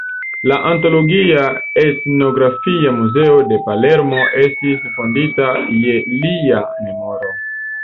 La Antropologia Etnografia Muzeo de Palermo estis fondita je lia memoro.